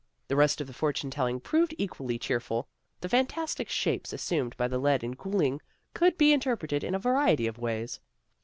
The rest of the fortune telling proved equally cheerful. The fantastic shapes assumed by the lead in cooling could be interpreted in a variety of ways.